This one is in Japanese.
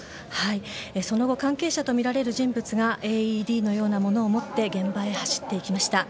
その後、関係者とみられる人物がＡＥＤのようなものを持って現場へ走っていきました。